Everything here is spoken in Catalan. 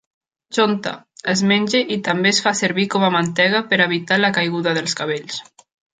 Chonta: es menja i també es fa servir com a mantega per evitar la caiguda dels cabells.